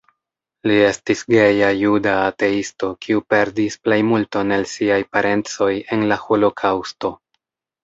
Li estis geja juda ateisto, kiu perdis plejmulton el siaj parencoj en la Holokaŭsto.